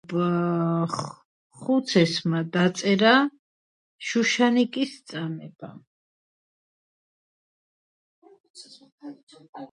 ყვავილოვანი მცენარეები თავისი აგებულებითა და ფუნქციებით ურთულესია მცენარეთა ყველა სხვა ჯგუფთან შედარებით.